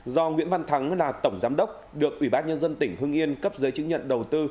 do nguyễn văn thắng là tổng giám đốc được ủy ban nhân dân tỉnh hưng yên cấp giấy chứng nhận đầu tư